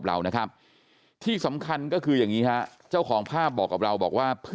อะไรรึเปล่าที่สำคัญก็คืออย่างนี้เจ้าของภาพบอกว่าว่าเพื่อน